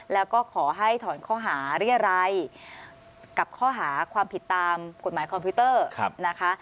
แล้วก็ขอให้ถอนข้อหาเรียรัยกับข้อหาความผิดตามกฎหมายคอมพิวเตอร์นะคะ